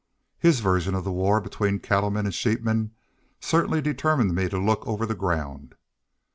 His version of the war between cattlemen and sheepmen certainly determined me to look over the ground.